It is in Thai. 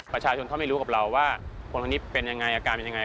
ประชาชนเขาไม่รู้กับเราว่าคนคนนี้เป็นยังไงอาการเป็นยังไง